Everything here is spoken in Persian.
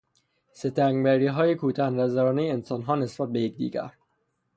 ستمگریهای کوته نظرانهی انسانها نسبت به یکدیگر